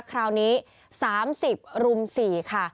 คราวนี้๓๐รุม๔ค่ะ